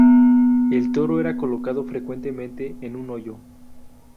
El toro era colocado frecuentemente en un hoyo.